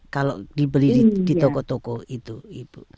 kalau dibeli di toko toko itu ibu